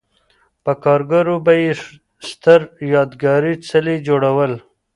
په کارګرو به یې ستر یادګاري څلي جوړول